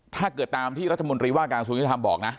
ถ้าเกิดตามที่รัฐมนตรีว่าการกระทรวงยุทธรรมบอกนะ